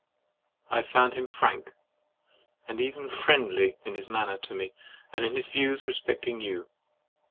I found him frank, and even friendly in his manner to me, and in his views respecting you.